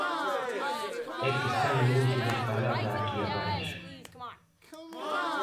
É que están no uso da palabra aquí abaixo.